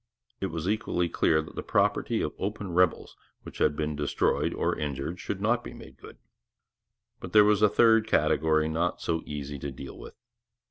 It was equally clear that the property of open rebels which had been destroyed or injured should not be made good. But there was a third category not so easy to deal with.